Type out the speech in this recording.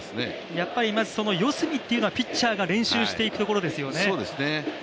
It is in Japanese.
やっぱり四隅というのはピッチャーが練習していくところですよね。